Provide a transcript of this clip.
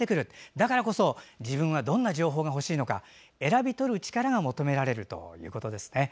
だからこそ、自分はどんな情報が欲しいのか選び取る力が求められるということですね。